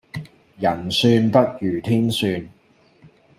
人算不如天算